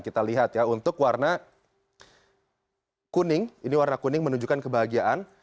kita lihat ya untuk warna kuning ini warna kuning menunjukkan kebahagiaan